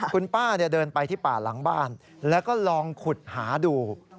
คุณป้าเดินไปที่ป่าหลังบ้านแล้วก็ลองขุดหาดู